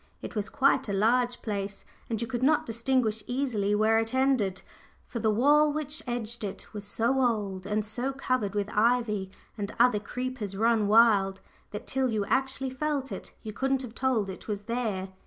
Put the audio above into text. It was quite a large place, and you could not distinguish easily where it ended, for the wall which edged it was so old, and so covered with ivy and other creepers run wild, that till you actually felt it you couldn't have told it was there.